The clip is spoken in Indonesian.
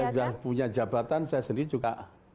karena saya sudah punya jabatan saya sendiri juga